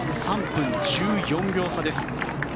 ３分１４秒差です。